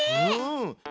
うん。